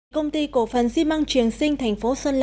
công ty cổ phần xi măng truyền sinh thành phố sơn lạc